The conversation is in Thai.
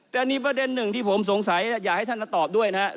แต่อันนี้ประเด็นหนึ่งที่ผมสงสัยอยากให้ท่านน้ำตอบด้วย